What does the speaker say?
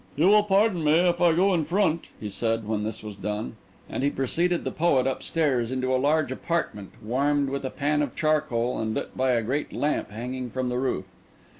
"You will pardon me if I go in front," he said, when this was done; and he preceded the poet upstairs into a large apartment, warmed with a pan of charcoal and lit by a great lamp hanging from the roof.